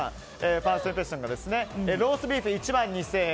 ファーストインプレッションがローストビーフ１万２０００円